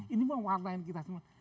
ini mewarnai kita semua